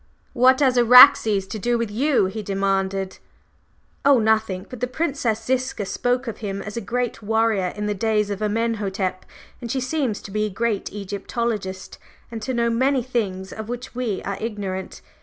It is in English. "What has Araxes to do with you?" he demanded. "Oh, nothing! But the Princess Ziska spoke of him as a great warrior in the days of Amenhotep, and she seems to be a great Egyptologist, and to know many things of which we are ignorant.